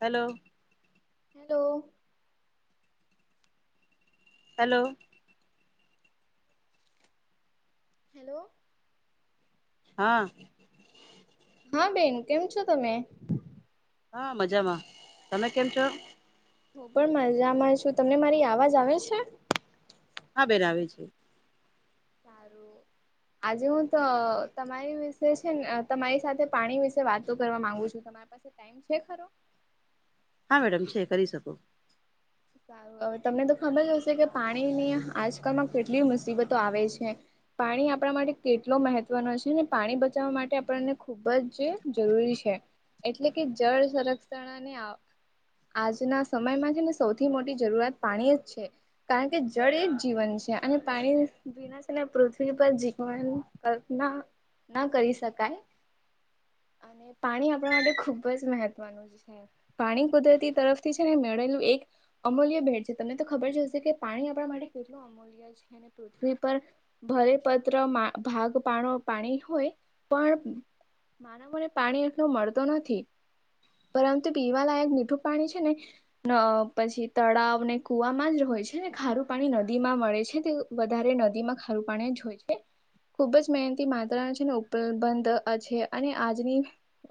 Hello હ તો hello hello હા હા બેન કેમ છો તમે હા મજામાં તમે કેમ છો? હું પણ મજામાં છું. તમને મારી અવાજ આવે છે? હા બેન આવે છે. સારું આજે હું તો તમારી વિશે છે ને તમારી સાથે પાણી વિશે વાતો કરવા માંગુ છું તમારી પાસે ટાઈમ છે ખરો હા મેડમ છે કરી શકો સારું હવે તમને તો ખબર જ હશે કે પાણીની આજકાલમાં કેટલી મુસીબતો આવે છે પાણી આપણા માટે કેટલો મહત્વનો છે ને પાણી બચાવવા માટે આપણને ખૂબ જ જરૂરી છે એટલે કે જળ સંરક્ષણને આજના સમયમાં છે ને સૌથી મોટી જરૂરત પાણી જ છે કારણ કે જળ એ જ જીવન છે અને પાણી પૃથ્વી પર જીવન કલ્પના ના કરી શકાય અને પાણી આપણા માટે ખુબ જ મહત્વનું છે પાણી કુદરતી તરફથી છે ને મેળેલું એક અમૂલ્ય ભેટ છે તમને તો ખબર જ હશે કે પાણી આપણા માટે કેટલું અમૂલ્ય છે અને પૃથ્વી પર ભરેપત્ર ભાગ પા પાણી હોય પણ માનવોને પાણી એટલું મળતું નથી. પરંતુ પીવાલાયક મીઠું પાણી છે ને પછી તળાવને કૂવામાં જ હોય છે ને ખારું પાણી નદીમાં મળે છે તે વધારે નદીમાં ખારું પાણી જ હોય છે. ખુબ જ મહેનતી માત્રા છે ને ઉપલબંધ છે અને આજની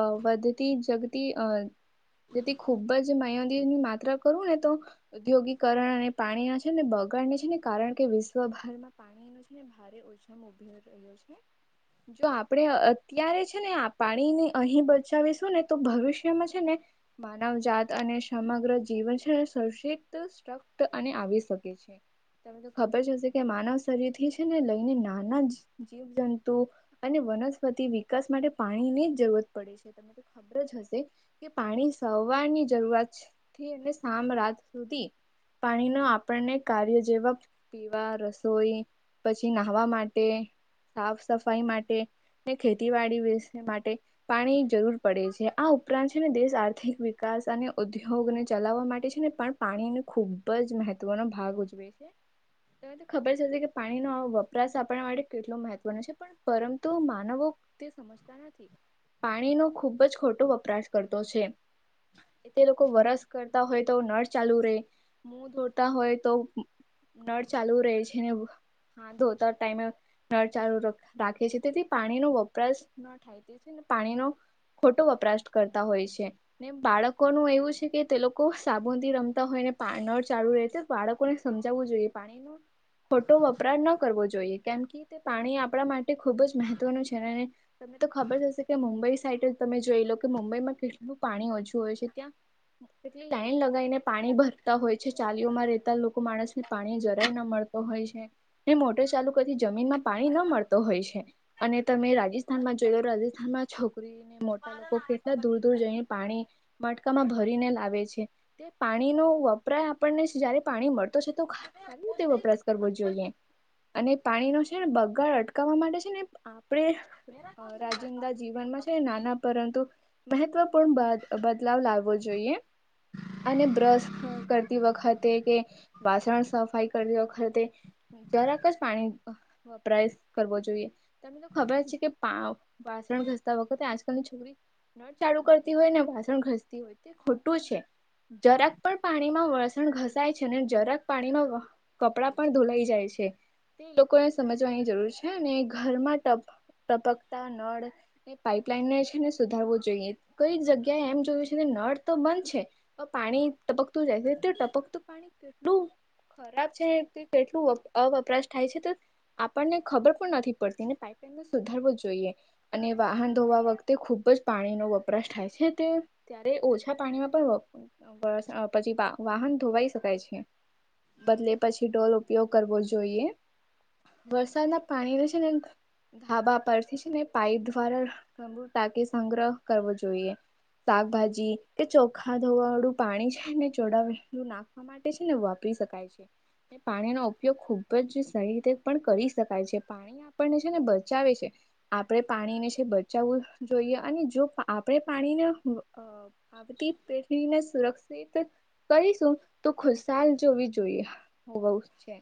અ વધતી જગતી અ જેથી ખૂબ જ માહની માત્રા કરું ને તો ઉદ્યોગીકરણ અને પાણી ના છે ને બગાડને છે ને કારણ કે વિશ્વભરમાં પાણી ને ભારે ઓછામાં ઉભી રહ્યો છે. જો આપણે અત્યારે છે ને પાણીને અહી બચાવીશું ને તો ભવિષ્યમાં છે ને માનવજાત અને સમગ્ર જીવન શષીતશકત અને આવી શકે છે. તમે તો ખબર જ હશે કે માનવ શરીરથી છે ને લઈને નાના જીવજંતુ અને વનસ્પતિ વિકાસ માટે પાણીની જ જરૂરત પડે છે તમને ખબર જ હશે કે પાણી સવારની જરૂરત થી અને હામ રાત સુધી પાણી ન આપણને કાર્ય જેવ પીવા રસોઈ પછી નાહવા માટે સાફ સફાઈ માટે કે ખેતીવાડી વિશે માટે પાણી જરૂર પડે છે આ ઉપરાંત છે ને દેશ આર્થિક વિકાસ અને ઉદ્યોગને ચલાવવા માટે તે છે ને પણ પાણીનો ખુબ જ મહત્વનો ભાગ ઉજવે છે. તને તો ખબર જ હશે કે પાણીનો વપરાશ આપણા માટે કેટલો મહત્વનો છે પણ પરંતુ માનવો તે સમજતા નથી. પાણીનો ખુબ જ ખોટો વપરાશ કરતો છે. એ તે લોકો વરસ કરતા હોય તો નળ ચાલુ રેય મુ ધોતાં હોય તો નળ ચાલુ રહે છે ને એવું હા ધોતા ટાઈમે નળ ચાલુ રાખે છે તેથી પાણી ન વપરાશ ન થાય. એ તે છેને પાણીનો ખોટો વપરાશ કરતા હોય છે. ને બાળકોનું એવું છે કે તે લોકો સાબુન થી રમતા હોય ને પા નળ ચાલુ રહે છે બાળકોને સમજાવવું જોઈએ પાણી નો ખોટો વપરાટ ન કરવો જોઈએ કેમ કે તે પાણી આપણા માટે ખુબ જ મહત્વનું છે. અને તમને તો ખબર જ હશે કે મુંબઈ સાઈટ જ તમે જોઈ લો કે મુંબઈમાં કેટલું પાણી ઓછું હોય છે ત્યાં અ [unintelligible] લાઈન લગાઈને પાણી ભરતા હોય છે ચાલીઓમાં રહેતા લોકો માણસ ને પાણી જરાય ન મળે. હોય છે મોટર ચાલુ કરથી જમીનમાં પાણી ન મળતો હોય છે અને તમે રાજસ્થાનમાં જોઈ લો રાજસ્થાનમાં છોકરીને મો લોકો કેટલા દૂર દૂર જઈને પાણી મટકામાં ભરીને લાવે છે તે પાણીનો વપરાય આપણને જયારે પાણી મળતો છે તો ખા સારી રીતે વપરાશ કરવો જોઈએ અને પાણીનો છે ને બગાડ અટકાવવા માટે છે ને આપણે રાજીંદા જીવનમાં જ તે નાના પરંતુ મહત્વપૂર્ણ બદલાવ લાવવો જોઈએ. અને બ્રશ કરતી વખતે કે વાસણ સફાઈ કરતી વખતે જરાક જ પાણી વપરાયેશ કરવો જોઈએ. તને તો ખબર છે કે પાવ વાસણ ઘસતા વખતે આજકાલની છોકરી નળ ચાલુ કરતી હોય ને વાસણ ઘસતી હોય તે ખોટું છે. જરાક પણ પાણીમાં વસણ ઘસાય છે ને જરાક પાણીમાં વ કપડાં પણ ધોલાઈ જાય છે. તે લોકોને સમજવાની જરૂર છે અને ઘરમાં ટ ટપકતા નળ એ પાઈપલાઇન ને છે ને સુધારવું જોઈએ કઈક જગ્યાએ એમ જોયું છે કે નળ તો બંધ છે. પાણી ટપકતું જાય છે તે ટપકતું પાણી કેટલું ખરાબ છે કેટલું અવપરાશ થાય છે તો આપણને ખબર પણ નથી પડતી ને પપ સુધારવું જોઈએ અને વાહન ધોવા વખતે ખુબ જ પાણીનોો વપરાશ થાય છે તે ત્યારે ઓછા પાણીમાં પણ પછી વાહન ધોવાઈ શકાય છે બદલે પછી ટોલ ઉપયોગ કરવો જોઈએ વરસાદ ના પાણી રહેશે ને ધાબા પરથી જ ને પાઈપ દ્વારા ટાકે સંગ્રહ કરવો જોઈએ શાકભાજી કે ચોખા ધવા વાળું પાણી છેને ચોડાવું નાખવા માટે છે ને વાપરી શકાય છે એ પાણીનોો ઉપયોગ ખુબ જ સારી રીતે પણ કરી શકાય છે પાણી આપણને છે ને બચાવે છે આપણે પાણીને છે બચાવવું જોઈએ અને જો આપણે પાણીને તેથી સુરક્ષિત કરીશું તો ખુશાલ જોવી જોઈએ. હો છે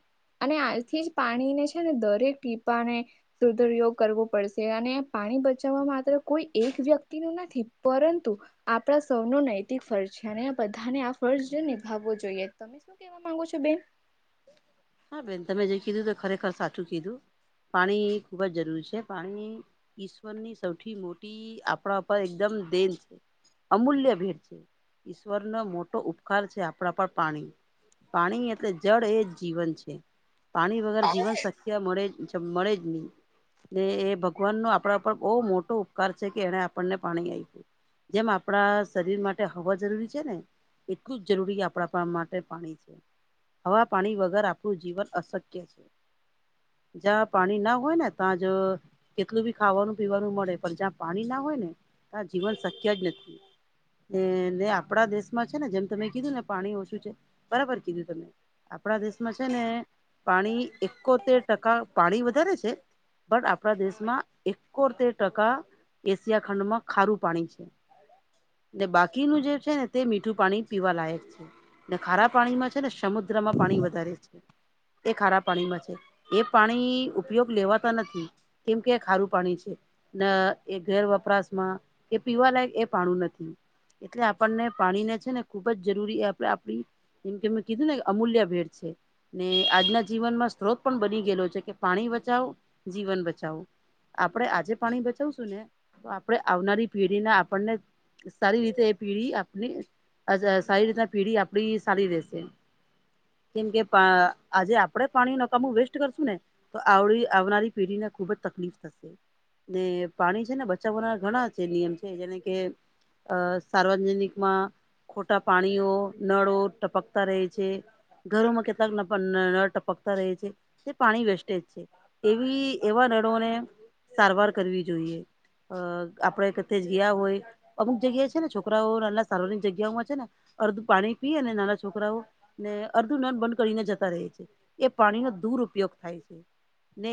અને આજથી જ પાણીને છે ને દરેક ટીપાને સુદરયોગ કરવો પડશે અને પાણી બચાવવા માત્ર કોઈ એક વ્યક્તિનું નથી પરંતુ આપણા સૌનું નહ ફર્જ છે અને આ બધાને આ ફર્જ જો નિભાવવો જોઈએ તમે શું કેહેવા માંગો છો બેન હા બેન તમે જે કીધું તો ખરેખર સાચું કીધું પાણી ખૂબ જ જરૂરી છે પાણી ઈશ્વરની સૌથી મોટી આપણા પર એકદમ દેન છે અમૂલ્ય ભેટ છે ઈશ્વર નો મોટો ઉપકાર છે આપણા પર પાણી. પાણી એટલે જળ એ જ જીવન છે. પાણી વગર જીવન શક્ય મળે મળે જ ન ને એ ભગવાન નો આપણા ઉપર બહુ મોટો ઉપકાર છે કે એને આપણને પાણી આપ્યું. જેમ આપણા શરીર માટે હવા જરૂરી છે ને એટલું જ જરૂરી આપણા માટે પાણી છે. હવા પાણી વગર આપણું જીવન અશક્ય છે. જ્યાં પાણી ના હોય ને ત્યાં જો કેટલું બી ખાવાનું પીવાનું મળે પણ જ્યાં પાણી ના હોય ને ત્યાં જીવન શક્ય જ નથી. એ ને આપડા દેશમાં છે ને જેમ તમે કીધું ને પાણી ઓછું છે બરાબર કીધું તમે. આપણા દેશમાં છે ને પાણી એકોતેર ટકા પાણી વધારે છે બટ આપણા દેશમાં એકોતેર ટકા એશિયા ખંડમાં ખારું પાણી છે. અને બાકીનું જે છે ને તે મીઠું પાણી પીવા લાયક છે. ખારા પાણીમાં છે ને સમુદ્રમાં પાણી વધારે છે. એ ખારા પાણીમાં છે. એ પાણી ઉપયોગ લેવાતા નથી કેમ કે ખારું પાણી છે. ના એ ઘેર વપરાશ માં કે પીવા લયક એ પાણું નથી. એટલે આપણને પાણી ને છે ને ખુબ જ જરૂરી એ આપડે આપડી એમ કે મે કીધું ને અમૂલ્ય ભેટ છે. ને આજના જીવનમાં સ્ત્રોત પણ બની ગયેલો છે કે, ''પાણી બચાવો જીવન બચાવો''. આપડણે આજે પાણી બચાવશું ને તો આપણે આવનારી પેઢીને આપણને સારી રીતે પીઢી આપણી સારી રીતના પીઢી આપણી સારી રેશે. કેમ કે આજે આપડે પાણી ન કામું વેસ્ટ કરશું ને તો આવડી આવનારી પેઢી ને ખુબ જ તકલીફ થશે. ને પાણી છે ને બચાવવાના ઘણા નિયમ છે જેને કે અ સાર્વજનિકમાં ખોટા પાણીઓ નળો ટપકતા રહે છે ઘરોમાં કેટલાક ન ટપકતા રહે છે તે પાણી વેસ્ટેજ છે. એવી એવા રડોને સારવાર કરવી જોઈએ. અ આપણે કશે ગિયા હોય અમુક જગ્યા છે ને છોકરાઓ નાના સાર્વરિક જગ્યાઓમાં છે ને અડધું પાણી પી અને નાના છોકરાઓ ને અર્ધું નળ બંધ કરીને જતા રહે છે એ પાણીનો દૂર ઉપયોગ થાય છે. ને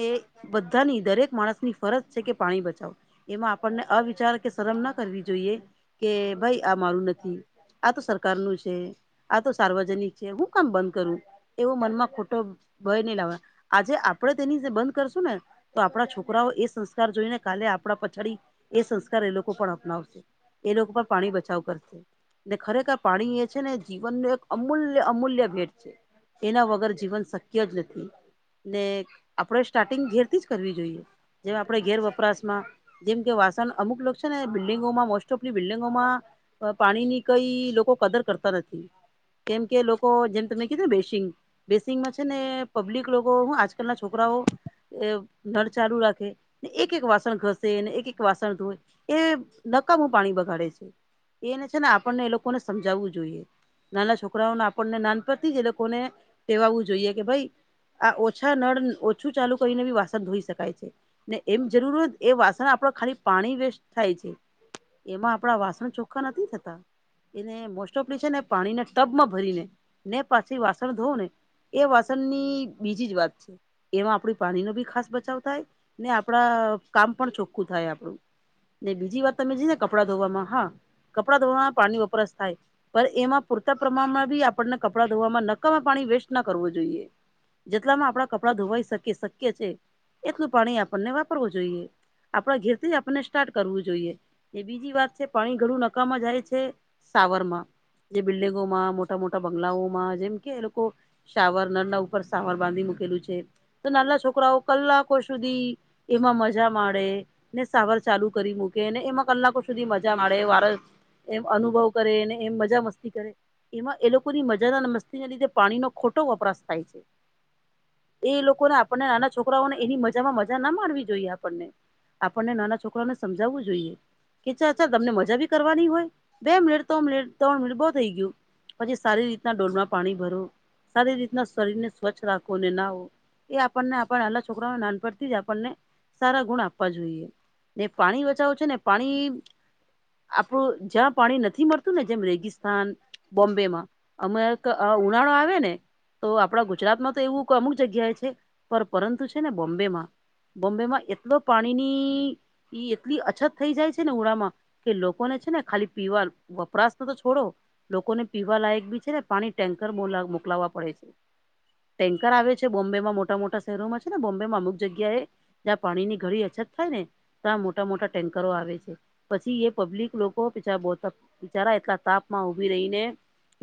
બધાની દરેક માણસની ફરજ છે કે પાણી બચાવો. એમાં આપણને અવિચાર કે શરમ ના કરવી જોઈએ કે ભાઈ આ મારું નથી આ તો સરકાર નું છે, આ તો સાર્વજનિક છે, હું કામ બંધ કરું એવો મનમાં ખોટો ભય નહી લાવે. આજે આપણેે તેની જે બંધ કરશું ને તો આપણા છોકરાઓ એ સંસ્કાર જોઈને કાલે આપણા પછડી એ સંસ્કાર એ લોકો પણ અપનાવશે. એ લોકો પર પાણી બચાવ કરશે. ને ખરેખર પાણી એ છે ને જીવનનું એક અમૂલ્ય અમૂલ્ય ભેટ છે. એના વગર જીવન શક્ય જ નથી, ને આપણે સ્ટાર્ટિંગ ઘેર કરવી જોઈએ. જેમ આપણે ગેર વપરાશમાં જેમ કે વાસણ અમુક લોકો છે ને બિલ્ડિંગોમાં મોસ્ટ ઓફની બિલ્ડિંગોમાં પાણી ની કઈ લોકો કદર કરતા નથી. રા કે લોકો જેમ તમે કીધું ને બેસીંગ બેસિંગમાં છે ને પબ્લિક લોકો હું આજકાલના છોકરાઓ એ નળ ચાલુ રાખે એક એક વાસણ ઘસે અને એક એક વાસણ ધોય એ નકાામું પાણી બગાડે છે એને છે ને આપણને એ લોકોને સમજાવવું જોઈએ. નાના છોક છોકરાઓને આપણને નાન પડથી જ એ લોકોને કહેવાવું જોઈએ કે ભાઈ આ ઓછા નળ ઓછું ચાલુ કરીને બી વાસણ ધોઈ શકાય છે. ને એમ જરૂર હોત એ વાસણ આપડ ખાલી પાણી વેસ્ટ થાય છે. એમાં આપડા વાસણ ચોખ્ખા નથી થતા એને મોસ્ટ ઓફ છે ને પાણી નથી ટબમાં ભરી ને ને પાછી વાસણ ધોવ ને એ વાસણની બીજી જ વાત છે એમાં આપણી પાણી નો બી ખાસ બચાવ થાય ને આપણા કામ પણ ચોખ્ખું થાય આપણું ને બીજી વાત તમે જ ને કપડાં ધોવામાં હા કપડાં ધોવામાં પાણી વપરસ થાય પણ એમાં પૂરતા પ્રમાણમાં બી આપણને કપડાં ધોવામાં નકામાં પાણી વેસ્ટ ના કરવું જોઈએ જેટલામાં આપણા કપડા ધોવાઈ શકી શક્ય છે એટલું પાણી આપણને વાપરવું જોઈએ આપણા ઘેર થી જ આપણને સ્ટાર્ટ કરવું જોઈએ એ બીજી વાત છે પાણી ઘણું નકામ જાય છે સાાવરમા જે બિલ્ડિંગોમાં મોટા મોટા બંગલાઓમાં જેમ કે એ લોકો શાવર નળના ઉપર સાવર બાંધી મૂકેલું છે તો નાના છોકરાઓ કલાકો સુધી એમાં મજા માે ને સવાર ચાલુ કરી મૂકે ને એમાં કલાકો સુધી મજા મળે વારસ એમ અનુભવ કરેને એમ મજા મસ્ એમાં એ લોકોની મજા અને મસ્તીને લીધે પાણીનો ખોટો વપરાશ થાય છે. એ લોકોને આપણને નાના છોકરાઓને એની મજામાં મજા ના માણવી જોઈએ આપણને. આપણને નાના છોકરાને સમજાવવું જોઈએ. કે ચાચા તમને મજા ભી કરવાની હોય બે મિનિટ ત્રણ મિનટ ત્રણ મિનિટ બ થઈ ગયું પછી સારી રીતના ડોલમાં પાણી ભર સારી રીતના શરીર ને સ્વચ્છ રાખો અને નાવો એ આપણને આપ આલા છોકરાને નાનપ થી જ આપણને સારા ગુણ આપવા જોઈએ ને પાણી બચાવો છે ને પાણી આપણું જ્યાં પાણી નથી મળતું ને જેમ રેગિસ્તાન બોમ્બેમાં અમે એક ઉનાળો આવે ને તો આપણા ગુજરાતમાં તો એવું અમુક જગ્યાએ છે પણ પરંતુ છે ને બોમ્બેમાં બોમ્બે માં એટલો પાણીની એટલી અછત થઈ જાય છે ને ઉડામાં કે લોકોને છે ને ખાલી પીવાનું વપરાશ તો તો છોડો લોકોને પીવા લાયક બી છે ને પાણી ટેન્કર મોકલાવા પડે છે ટેન્કર આવે છે બોમ્બેમાં મોટા મોટા શહેરોમાં છે ને બોમ્બમાં અમુક જગ્યાએ જ્યાં પાણીની ઘડી અછત થાય ને ત્યાં મોટા મોટા ટેન્કરો આવે છે પછી એ પબ્લિક લોકો બ બિચારા એટલા તાપ માં ઉભી રહીને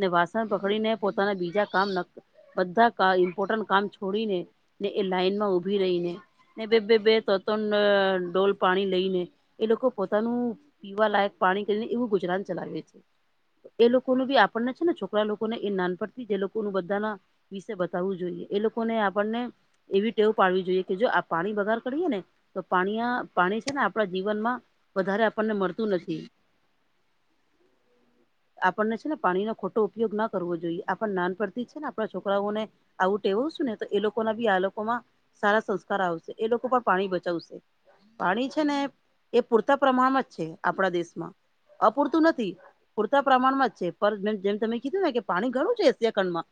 ને વાસણ પકડીને પોતાના બીજા કામ ન બધા ઇમ્પોર્ટન્ટ કામ છોડીને ને એ લાઈનમાં ઉભી રહીને. ને બે બે બે તણ તણ અઅ ડોલ પાણી લઈને એ લોકો પોતાનું પીવા લાયક પાણી કરીને એવું ગુજરાન ચલાવે છે. એ લોકો ન બી આપણને છે ને છોકરા લોકોને એ નાનપડથી જે લોકો બધાના વિશે બતાવવું જોઈએ એ લોકોને આપણને એવી ટેવ પાડવી જોઈએ કે જો આ પાણી બગાર કરીએે ને તો પાણી પાણી છે ને આપ આપણા જીવન માં વધારે આપણને મળતું નથી. આપણને છે ને પાણીનો ખોટો ઉપયોગ ના કરવો જોઈએ આપણ નાનપણથી જ છે ને આપણા છોકરાઓને આવુંટેવું છું ને તો એ લોકોના બી આ લોકોમાં સારા સંસ્કાર આવશે એ લોકો પણ પાણી બચાવશે. પાણી છે ને એ પૂરતા પ્રમાણમાં જ છે આપણા દેશમાં અપૂરતું નથી. પ્રમાણમાં જ છે પણ બેન જેમ તમે કીધું ને કે પાણી ઘણું છે એશિયા ખંડમાં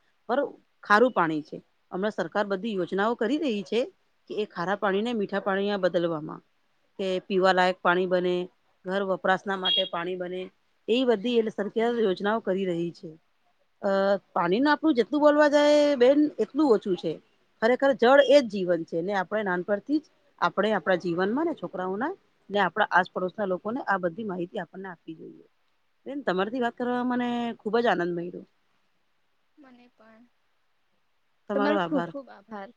ખારું પાણી છે હમણાં સરકાર બધી યોજનાઓ કરી રહી છે. કે એ ખારા પાણી ને મીઠા પાણી બદલવામાં. કે પીવાલાયક પાણી બને ઘર વપરાશના માટે પાણી બને એ બધી સરકાર યોજનાઓ કરી રહી છે. અ પાણી ન આપડું જેટલું બોલવા જાય બેન એટલું ઓછું છે. ખરેખર જળ એ જ જીવન છે ને આપણે નાનપણથી જ આપણે આપણા જીવનમાં ને છોકરાઓના ને આપડા આસપડોસના લોકોને આ બધી માહિતી આપન આપી જઈએ. તમારથી વાત કરવાવામાં મને ખુબ જ આનંદ મળય્યો. મને પણ તમારો ખુબ ખુબ આભાર.